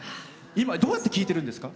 どうやって聴いてるんですか？